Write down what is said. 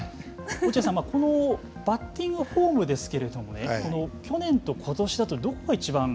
落合さんこのバッティングフォームですけれども去年とことしだとどこがいちばん変わったと思いますか。